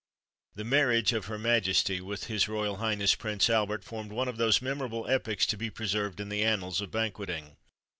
The marriage of Her Majesty with H. R. H. Prince Albert formed one of those memorable epochs to be preserved in the annals of banqueting.